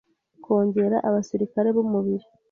Kongera abasirikare b’umubiri